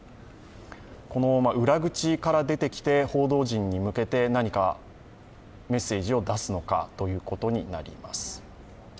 このまま裏口から出てきて報道陣に向けて何かメッセージを出すのかということになります。